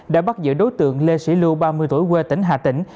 đã bắt giữ đối tượng lê sĩ lưu ba mươi tuổi quê tỉnh hà tĩnh